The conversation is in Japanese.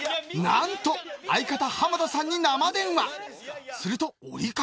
なんと相方、浜田さんに生電話。